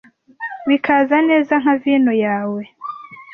bika neza nka vino yawe